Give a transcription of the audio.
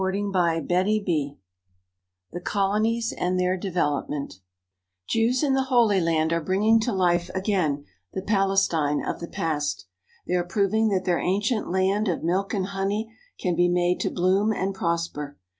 1 68 CHAPTER XXI THE COLONIES AND THEIR DEVELOPMENT JEWS in the Holy Land are bringing to life again the Palestine of the past. They are proving that their ancient "land of milk and honey " can be made to bloom and prosper.